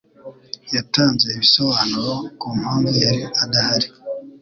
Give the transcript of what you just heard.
Yatanze ibisobanuro ku mpamvu yari adahari.